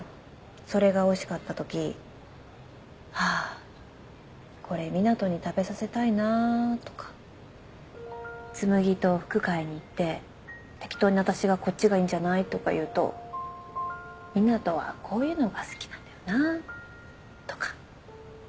それがおいしかったとき「ああこれ湊斗に食べさせたいな」とか。紬と服買いに行って適当に私がこっちがいいんじゃないとか言うと「湊斗はこういうのが好きなんだよな」とか。